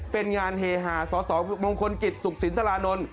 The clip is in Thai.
เป็นงานเฮฮาสสมงคลกิจสุขสินทรานนท์